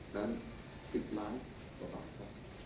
และ๑๐ล้านกว่าบาท